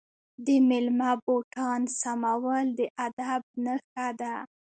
د میلمه بوټان سمول د ادب نښه ده.